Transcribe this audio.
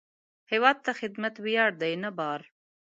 هیواد ته خدمت ویاړ دی، نه بار